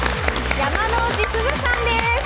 山之内すずさんです。